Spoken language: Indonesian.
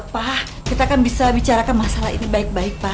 pak kita kan bisa bicarakan masalah ini baik baik pak